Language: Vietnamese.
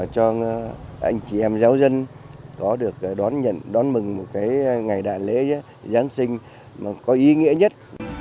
cho anh chị em giáo dân có được đón mừng ngày đại lễ giáng sinh có ý nghĩa nhất